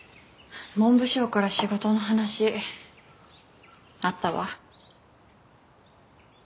文部省から仕事の話あったわ。